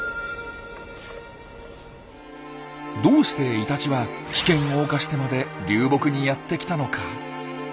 どうしてイタチは危険を冒してまで流木にやって来たのか？